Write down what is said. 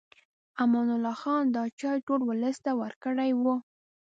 امان الله خان دا چای ټول ولس ته ورکړی و.